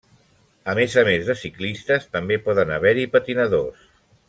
A més a més de ciclistes també poden haver-hi patinadors.